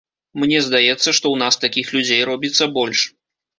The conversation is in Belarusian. Мне здаецца, што ў нас такіх людзей робіцца больш.